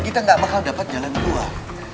kita nggak bakal dapat jalan keluar